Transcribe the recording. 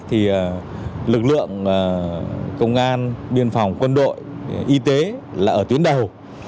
thì lực lượng công an biên phòng quân đội y tế là ở tuyến đầu